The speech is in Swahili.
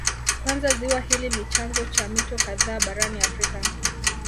Kwanza ziwa hili ni chanzo cha mito kadhaa barani Afrika